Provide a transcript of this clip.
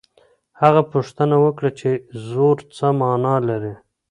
هغه پوښتنه وکړه چي زور څه مانا لري.